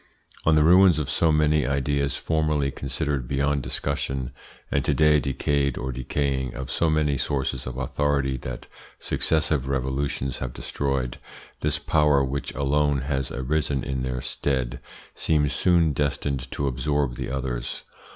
On the ruins of so many ideas formerly considered beyond discussion, and to day decayed or decaying, of so many sources of authority that successive revolutions have destroyed, this power, which alone has arisen in their stead, seems soon destined to absorb the others.